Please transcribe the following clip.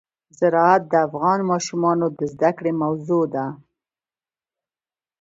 زراعت د افغان ماشومانو د زده کړې موضوع ده.